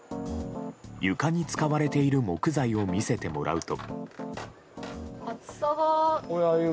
床に使われている木材を見せてもらうと。